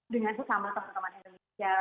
dengan sesama teman teman indonesia